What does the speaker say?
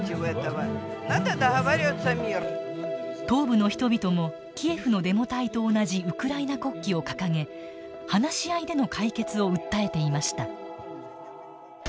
東部の人々もキエフのデモ隊と同じウクライナ国旗を掲げ話し合いでの解決を訴えていました。